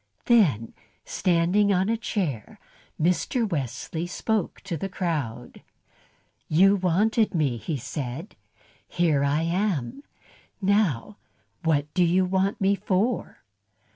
Then, standing on a chair, Mr. Wesley spoke to the crowd. "You wanted me," he said. "Here I am. Now what do you want me for?"